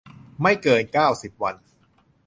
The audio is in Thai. ไม่เกิน เก้าสิบ วัน